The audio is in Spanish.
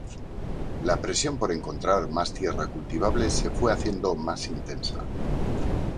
La presión por encontrar más tierra cultivable se fue haciendo más intensa.